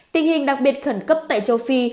tình hình đặc biệt khẩn cấp tại châu phi